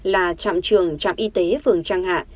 là trạm trường trạm y tế phường trang hạ